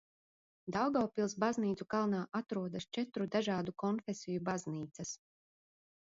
Daugavpils Baznīcu kalnā atrodas četru dažādu konfesiju baznīcas.